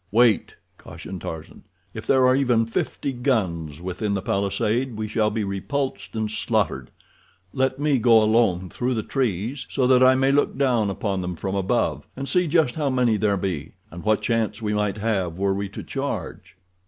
"Wait!" cautioned Tarzan. "If there are even fifty guns within the palisade we shall be repulsed and slaughtered. Let me go alone through the trees, so that I may look down upon them from above, and see just how many there be, and what chance we might have were we to charge.